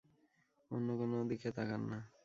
অন্য কোনো দিকে তাকান না।